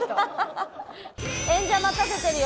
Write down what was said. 演者待たせてるよ。